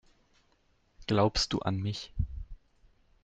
Glaubst du an mich?